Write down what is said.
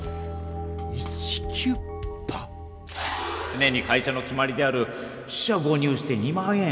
つねに会社の決まりである四捨五入して２万円。